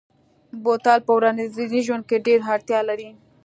بوتل په ورځني ژوند کې ډېره اړتیا لري.